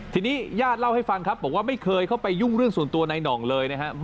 ทีนี้ญาติเล่าให้ฟังครับบอกว่าไม่เคยเข้าไปยุ่งเรื่องส่วนตัวนายหน่องเลยนะครับ